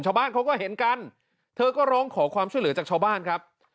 ชาวบ้านเขาก็เห็นกันเธอก็ร้องขอความช่วยเหลือจากชาวบ้านครับ